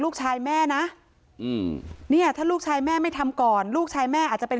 ลูกชายแม่นะอืมเนี่ยถ้าลูกชายแม่ไม่ทำก่อนลูกชายแม่อาจจะเป็น